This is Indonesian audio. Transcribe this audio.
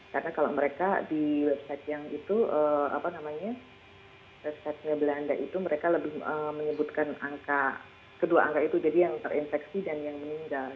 karena kalau mereka di website yang itu apa namanya websitenya belanda itu mereka lebih menyebutkan angka kedua angka itu jadi yang terinfeksi dan yang meninggal